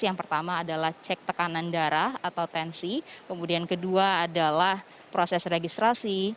yang pertama adalah cek tekanan darah atau tensi kemudian kedua adalah proses registrasi